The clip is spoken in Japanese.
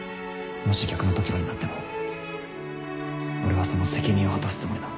もし逆の立場になっても俺はその責任を果たすつもりだ